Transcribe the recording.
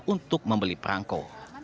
untuk membeli perangko